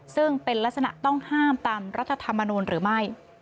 ซึ่งเป็นลักษณะต้องห้ามตามรัฐธรรมนูลหรือไม่